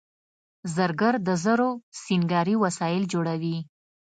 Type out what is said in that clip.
زرګر د زرو سینګاري وسایل جوړوي